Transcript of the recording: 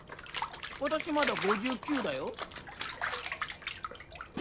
私まだ５９だよ。